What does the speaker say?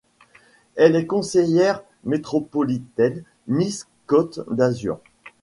Elle est conseillère métropolitaine Nice Côte d’Azur.